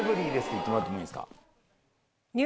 言ってもらってもいいですか？